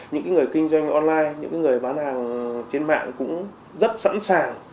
những người kinh doanh online những người bán hàng trên mạng cũng rất sẵn sàng